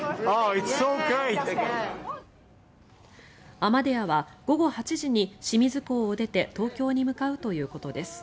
「アマデア」は午後８時に清水港を出て東京に向かうということです。